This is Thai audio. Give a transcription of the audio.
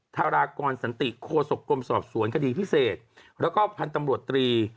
ทารากรสันติโคศกรมสอบสวนคดีพิเศษแล้วก็พันธุ์ตำรวจตรี